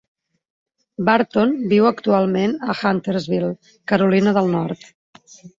Burton viu actualment a Huntersville, Carolina del Nord.